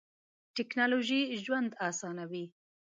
ټیکنالوژی ژوند اسانوی.